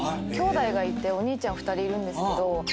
きょうだいがいてお兄ちゃん２人いるんですけど。